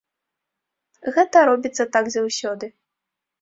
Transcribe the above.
Гэта робіцца так заўсёды.